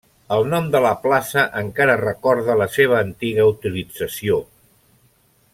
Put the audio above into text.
El nom de la plaça encara recorda la seva antiga utilització.